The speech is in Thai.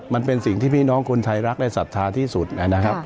มันเป็นสิ่งที่พี่น้องคนไทยรักและศรัทธาที่สุดนะครับ